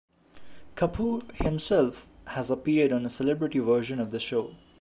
Kapoor himself has appeared on a celebrity version of the show.